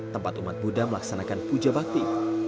tempat umat buddha melaksanakan puja bakti